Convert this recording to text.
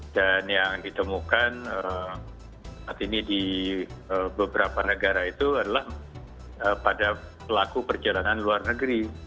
dan yang ditemukan saat ini di beberapa negara itu adalah pada pelaku perjalanan luar negeri